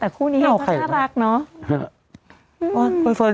แต่คู่นี้ยังมาทั้งพี่หลักเนาะ